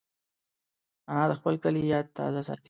انا د خپل کلي یاد تازه ساتي